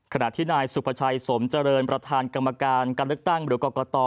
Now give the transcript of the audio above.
ขณะที่นายสุภาชัยสมเจริญประธานกรรมการการเลือกตั้งหรือกรกต